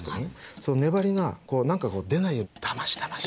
その粘りが何かこう出ないようにだましだまし。